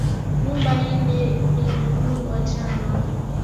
Nyumba ile invundwa jana